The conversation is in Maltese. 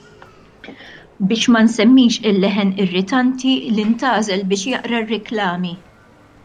Biex ma nsemmix il-leħen irritanti li ntgħażel biex jaqra r-reklami!